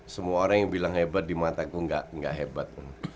semua orang yang bilang hebat di mataku gak hebat